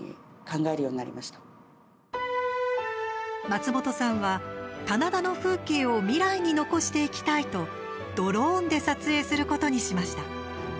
松本さんは、棚田の風景を未来に残していきたいとドローンで撮影することにしました。